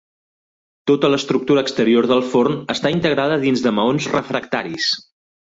Tota l'estructura exterior del forn està integrada dins de maons refractaris.